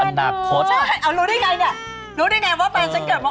เอ้ารู้ได้ไงเนี่ยรู้ได้ไงว่าตอนฉันเกิดมกรา